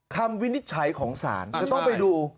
วินิจฉัยของศาลจะต้องไปดู